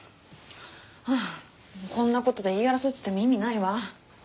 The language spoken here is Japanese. はあもうこんな事で言い争ってても意味ないわ。